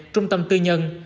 trung tâm tư nhân